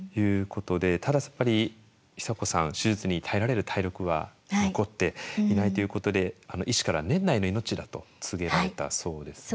ただやっぱり久子さん手術に耐えられる体力は残っていないということで医師からは年内の命だと告げられたそうですね。